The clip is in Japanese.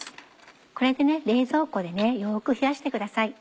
これで冷蔵庫でよく冷やしてください。